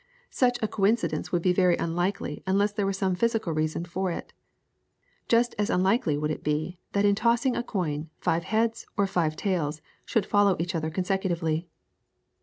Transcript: Such a coincidence would be very unlikely unless there were some physical reason for it. Just as unlikely would it be that in tossing a coin five heads or five tails should follow each other consecutively.